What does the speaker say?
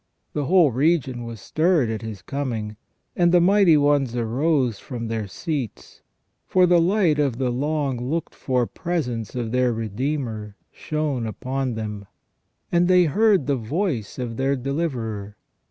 The whole region was stirred at His coming, and the mighty ones arose from their seats ; for the light of the long looked for presence of their Redeemer shone upon them, and they heard the voice of their Deliverer.